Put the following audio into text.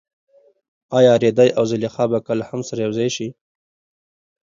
ایا رېدی او زلیخا به کله هم سره یوځای شي؟